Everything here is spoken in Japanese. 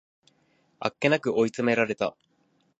あっけなく追い詰められた